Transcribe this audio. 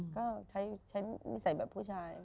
ก็ใช้นิสัยแบบผู้ชาย